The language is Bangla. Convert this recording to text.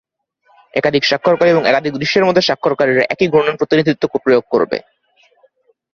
একাধিক স্বাক্ষরকারী এবং একাধিক দৃশ্যের মধ্যে, স্বাক্ষরকারীরা একই ঘূর্ণন প্রতিনিধিত্ব প্রয়োগ করবে।